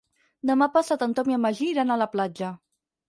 Demà passat en Tom i en Magí iran a la platja.